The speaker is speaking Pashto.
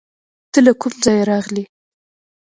ته له کوم ځایه راغلې؟